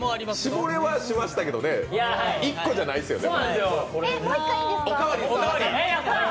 絞れはしましたけどね、１個じゃないんですよね。